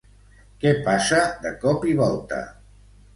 Què passa de cop i volta?